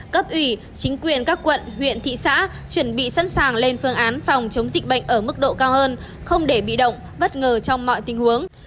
cấp ủy chính quyền các quận huyện thị xã chuẩn bị sẵn sàng lên phương án phòng chống dịch bệnh ở mức độ cao hơn không để bị động bất ngờ trong mọi tình huống